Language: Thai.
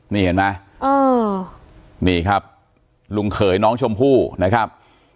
นี่เห็นไหมนี่ครับลุงเขยน้องชมพู่นะครับ